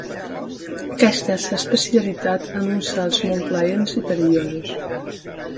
Aquesta s'ha especialitat en uns salts molt plaents i perillosos.